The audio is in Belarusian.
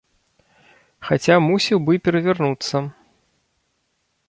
Хаця мусіў бы перавярнуцца.